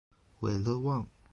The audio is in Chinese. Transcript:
韦勒旺。